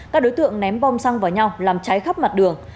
các đối tượng ném bom xăng vào nhau làm cháy khắp mặt đường